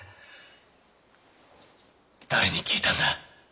誰に聞いたんだ？